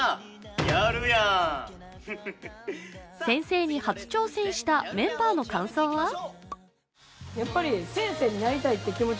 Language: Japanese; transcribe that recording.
先生に初挑戦したメンバーの感想は？